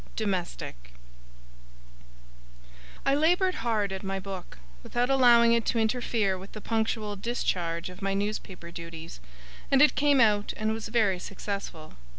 DOMESTIC I laboured hard at my book, without allowing it to interfere with the punctual discharge of my newspaper duties; and it came out and was very successful.